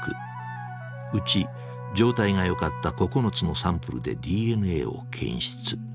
うち状態がよかった９つのサンプルでＤＮＡを検出。